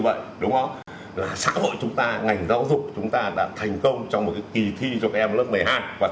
và xin chào các bạn